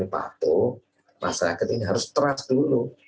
sempat itu masyarakat ini harus trust dulu